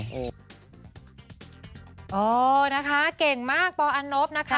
เออนะคะเก่งมากปอันนบนะคะ